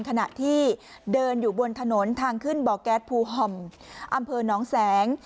ขณะที่เดินอยู่บนถนนทางขึ้นบ่อแก๊สภูห่อมอำเภอน้องแสง